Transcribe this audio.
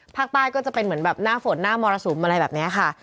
ก็จะเป็นเหมือนแบบหน้าฝนหน้ามรสุมอะไรแบบนี้ค่ะ